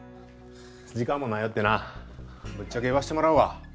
時間もないよってなぶっちゃけ言わしてもらうわ。